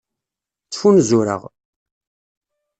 Ttfunzureɣ.